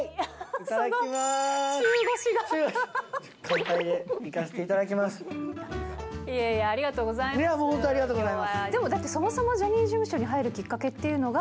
いやもう、本当にありがとうでもだって、そもそもジャニーズ事務所に入るきっかけっていうのが。